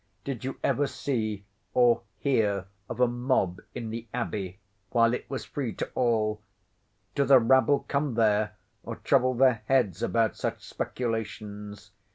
Did you ever see, or hear, of a mob in the Abbey, while it was free to all? Do the rabble come there, or trouble their heads about such speculations?